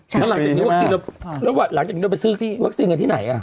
แล้วหลังจากนี้วัคซีนแล้วหลังจากนี้เราไปซื้อวัคซีนกันที่ไหน